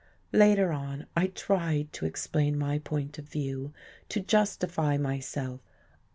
Later on I tried to explain my point of view, to justify myself.